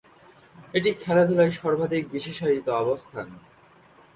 এটি খেলাধুলায় সর্বাধিক বিশেষায়িত অবস্থান।